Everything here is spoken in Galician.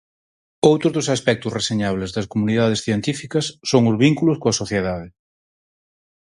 Outro dos aspectos reseñables das Comunidades Científicas son os vínculos coa sociedade.